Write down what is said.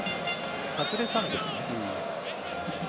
外れたんですね。